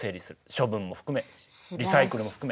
処分も含めリサイクルも含め。